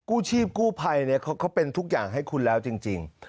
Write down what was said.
กู้ชีพกู้ภัยเขาเป็นทุกอย่างให้คุณแล้วจริง